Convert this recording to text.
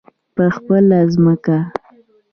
په خپله ځمکه.